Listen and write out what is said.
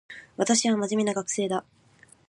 私は真面目な学生だ